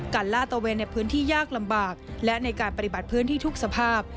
ลาดตะเวนในพื้นที่ยากลำบากและในการปฏิบัติพื้นที่ทุกสภาพ